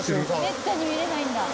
「めったに見れないんだ。